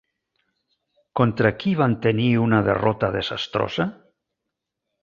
Contra qui van tenir una derrota desastrosa?